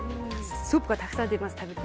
すごくたくさん出ます。